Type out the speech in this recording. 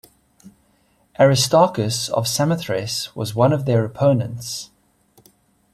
Aristarchus of Samothrace was one of their opponents.